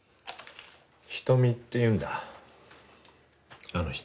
仁美っていうんだあの人。